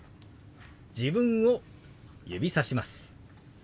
自分を指さします。